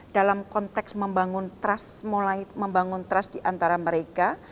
dalam konteks membangun trust mulai membangun trust diantara mereka